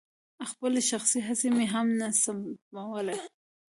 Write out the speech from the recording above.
خپلې شخصي هڅې مې هم نه سپمولې.